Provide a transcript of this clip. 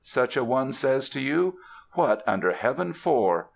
such a one says to you. "What under heaven for?